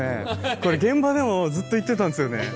これ現場でもずっと言ってたんですよね